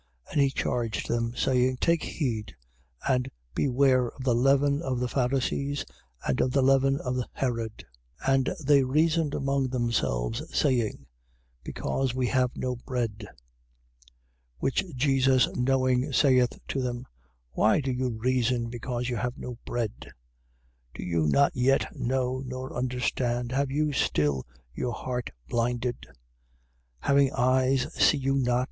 And he charged them saying: Take heed and beware of the leaven of the Pharisees and of the leaven of Herod. 8:16. And they reasoned among themselves, saying: Because we have no bread. 8:17. Which Jesus knowing, saith to them: Why do you reason, because you have no bread? Do you not yet know nor understand? Have you still your heart blinded? 8:18. Having eyes, see you not?